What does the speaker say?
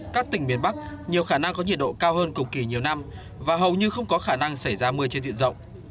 các tỉnh miền bắc nhiều khả năng có nhiệt độ cao hơn cùng kỳ nhiều năm và hầu như không có khả năng xảy ra mưa trên diện rộng